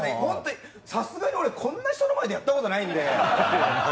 さすがに俺、こんな人の前でやったことないんで。